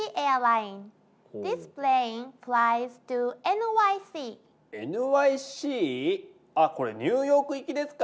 ＮＹＣ⁉あこれニューヨーク行きですか？